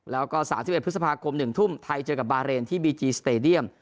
แล้วก็๓๑พฤษภาคม๑ทุ่มไทยเจอกับบาเรนที่บีจีสเตดียม